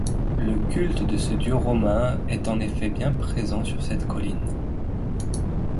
Le culte de ce dieu romain est en effet bien présent sur cette colline.